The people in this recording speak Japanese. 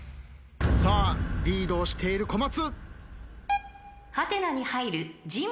さあリードをしている小松。